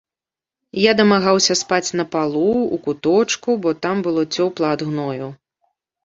Я дамагаўся спаць на палу, у куточку, бо там было цёпла ад гною.